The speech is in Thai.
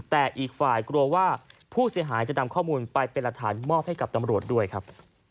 แต่อีกฝ่ายกลัวว่าผู้เสียหายจะนำข้อมูลไปเป็นหลักฐานมอบให้กับตำรวจด้วยครับ